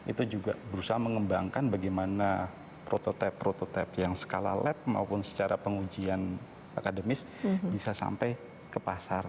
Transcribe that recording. itu juga berusaha mengembangkan bagaimana prototipe prototipe yang skala lab maupun secara pengujian akademis bisa sampai ke pasar